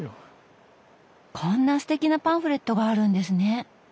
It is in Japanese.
こんなすてきなパンフレットがあるんですね。